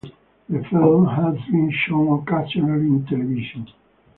The film has been shown occasionally on television.